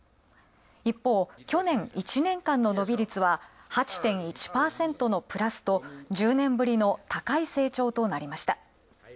一方、去年１年間の伸び率は８．１％のプラスと１０年ぶりの高い成長となりました。